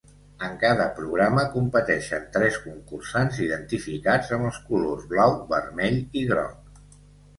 En cada programa competeixen tres concursants identificats amb els colors blau, vermell i groc.